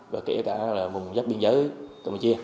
và kể cả là vùng dắt biên giới campuchia